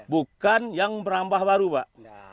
bukan yang berambah baru pak